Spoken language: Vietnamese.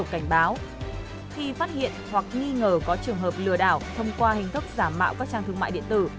khi phát hiện hoặc nghi ngờ có trường hợp lừa đảo thông qua hình thức giảm mạo các trang thương mại điện tử